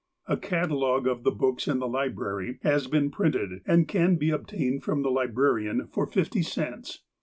A catalogue of the books in the library has been printed, and can be obtained from the librarian for fifty cents.